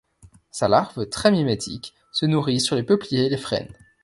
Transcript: Sa larve, très mimétique, se nourrit sur les peupliers et les frênes.